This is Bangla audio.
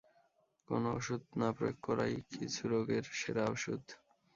কোনো ওষুধ না প্রয়োগ করাই, কিছু রোগের সেরা ওষুধ!